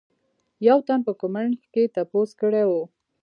يو تن پۀ کمنټ کښې تپوس کړے وۀ